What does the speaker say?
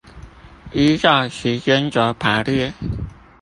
依照時間軸排列